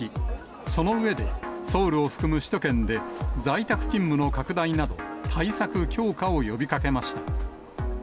その上で、ソウルを含む首都圏で、在宅勤務の拡大など、対策強化を呼びかけました。